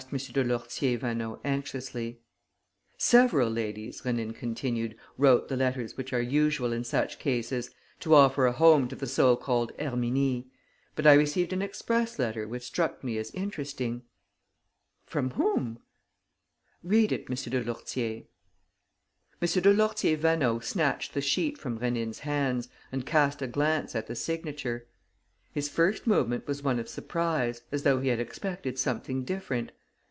de Lourtier Vaneau, anxiously. "Several ladies," Rénine continued, "wrote the letters which are usual in such cases, to offer a home to the so called Herminie. But I received an express letter which struck me as interesting." "From whom?" "Read it, M. de Lourtier." M. de Lourtier Vaneau snatched the sheet from Rénine's hands and cast a glance at the signature. His first movement was one of surprise, as though he had expected something different.